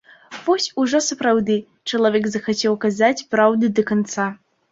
Вось ужо сапраўды чалавек захацеў казаць праўду да канца!